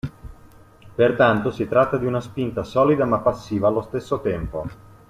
Pertanto si tratta di una spinta solida ma passiva allo stesso tempo.